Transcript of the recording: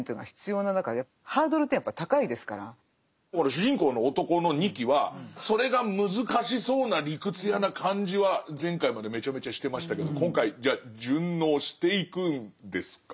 主人公の男の仁木はそれが難しそうな理屈屋な感じは前回までめちゃめちゃしてましたけど今回じゃあ順応していくんですか？